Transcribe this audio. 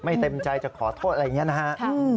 ไม่เต็มใจจะขอโทษอะไรอย่างนี้นะฮะ